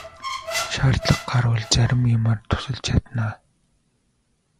Шаардлага гарвал зарим юмаар тусалж чадна.